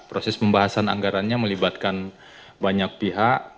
proses pembahasan anggarannya melibatkan banyak pihak